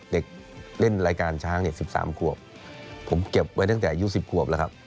เด็กเล่นรายการช้าง๑๓ควบผมเก็บไว้ตั้งแต่๒๐ควบแล้วครับ